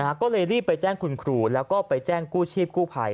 ก็เลยรีบไปแจ้งคุณครูแล้วก็ไปแจ้งกู้ชีพกู้ภัย